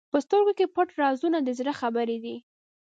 په سترګو کې پټ رازونه د زړه خبرې دي.